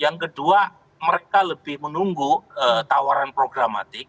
yang kedua mereka lebih menunggu tawaran programatik